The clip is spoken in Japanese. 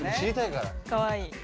かわいい。